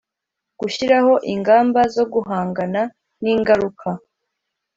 gushyiraho ingamba zo guhangana n ingaruka